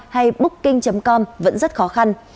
hay booking com vẫn rất khó khăn